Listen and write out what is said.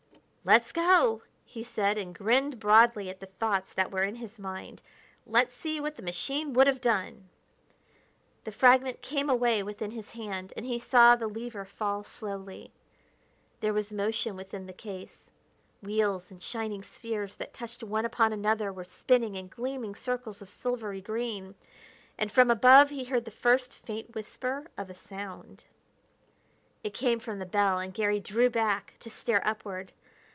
"Let's go!" he said, and grinned broadly at the thoughts that were in his mind. "Let's see what the machine would have done!" The fragment came away within his hand, and he saw the lever fall slowly. There was motion within the case wheels and shining spheres that touched one upon another were spinning in gleaming circles of silvery green and from above he heard the first faint whisper of a sound. It came from the bell, and Garry drew back to stare upward.